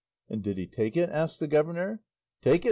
"And did he take it?" asked the governor. "Take it!"